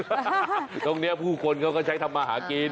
ตรงนี้ผู้คนเขาก็ใช้ทำมาหากิน